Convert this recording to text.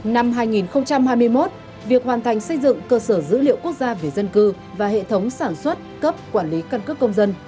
năm hai nghìn hai mươi một việc hoàn thành xây dựng cơ sở dữ liệu quốc gia về dân cư và hệ thống sản xuất cấp quản lý căn cước công dân